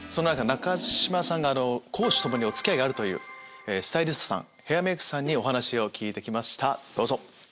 中島さんが公私共にお付き合いがあるスタイリストさんヘアメイクさんにお話を聞いて来ましたどうぞ。